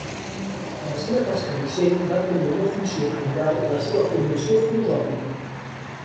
A la seva tasca docent va tenir una funció cabdal la seva formació filosòfica.